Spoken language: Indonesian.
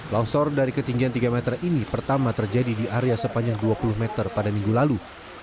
longsor dari ketinggian tiga meter ini pertama terjadi di area sepanjang dua puluh meter pada minggu lalu